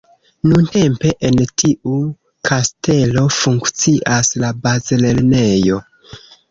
Nuntempe en tiu kastelo funkcias la bazlernejo.